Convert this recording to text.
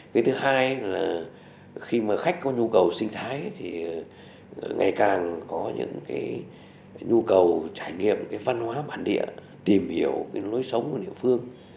cái thứ hai là khi mà khách có nhu cầu sinh thái thì ngày càng có những cái nhu cầu trải nghiệm cái văn hóa bản địa tìm hiểu cái lối sống của địa phương